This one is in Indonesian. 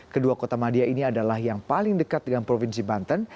kedua kota madia ini adalah yang paling dekat dengan provinsi banten